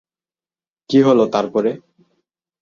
কী হল তার পরে?